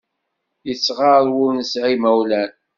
Yettɣaḍ w'ur nesɛi imawlan.